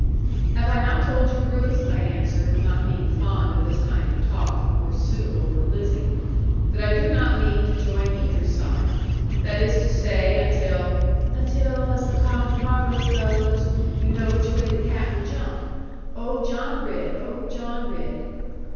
'Have I not told you, Ruth,' I answered, not being fond of this kind of talk, more suitable for Lizzie, 'that I do not mean to join either side, that is to say, until ' 'Until, as the common proverb goes, you know which way the cat will jump. Oh, John Ridd! Oh, John Ridd!'